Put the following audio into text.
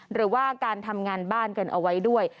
หรือว่าการทำงานบ้านกันเอาไว้ด้วย